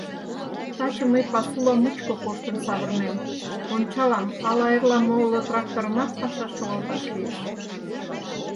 — Таче мый пасула мучко коштын савырнем, ончалам, ала эрла моло тракторымат пашаш шогалташ лиеш.